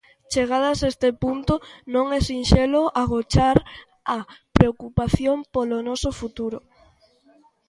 Chegadas a este punto non é sinxelo agochar a preocupación polo noso futuro.